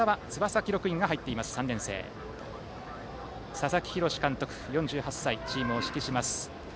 佐々木洋監督、４８歳がチームを指揮します。